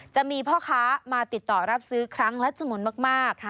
จะมีพ่อค้ามาติดต่อรับซื้อครั้งละจำนวนมาก